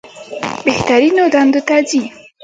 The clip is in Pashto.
بهترینو دندو ته ځي.